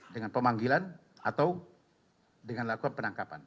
dengan pemanggilan atau dengan lakukan penangkapan